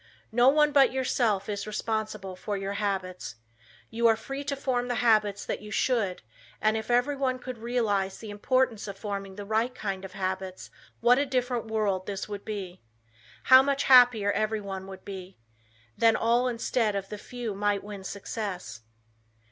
No one but yourself is responsible for your habits. You are free to form the habits that you should and if everyone could realize the importance of forming the right kind of habits what a different world this would be. How much happier everyone would be. Then all instead of the few might win success.